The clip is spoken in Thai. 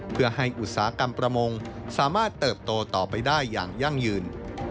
เพื่อให้อุตสาหกรรมประมงสามารถเติบโตต่อไปได้อย่างยั่งยืน